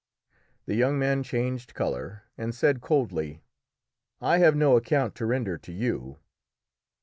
The young man changed colour, and said coldly "I have no account to render to you."